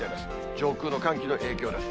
上空の寒気の影響です。